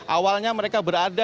awalnya mereka berada